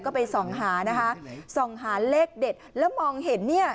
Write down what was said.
ก็ไปส่องหานะคะส่องหาเลขเด็ดแล้วมองเห็นเนี่ย